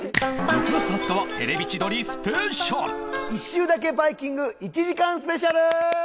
６月２０日は『テレビ千鳥』スペシャル一周だけバイキング１時間スペシャル！